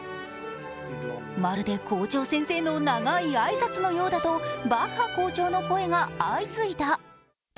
まるで校長先生の長い挨拶のようだとバッハ校長の声が相次いだ。